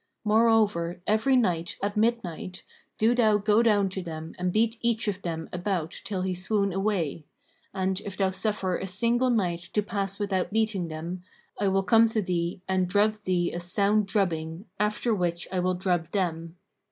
Moreover, every night, at midnight, do thou go down to them and beat each of them a bout till he swoon away; and if thou suffer a single night to pass without beating them, I will come to thee and drub thee a sound drubbing, after which I will drub them.'